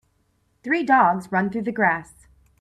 three dogs run through the grass.